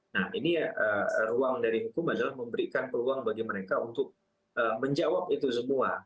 nah ini ruang dari hukum adalah memberikan peluang bagi mereka untuk menjawab itu semua